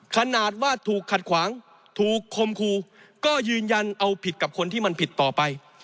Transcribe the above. ขนาดว่าถูกขัดขวางถูกคมครูก็ยืนยันเอาผิดกับคนที่มันผิดต่อไป